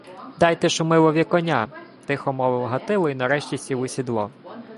— Дайте Шумилові коня, — тихо мовив Гатило й нарешті сів у сідло.